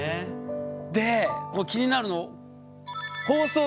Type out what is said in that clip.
で気になるの。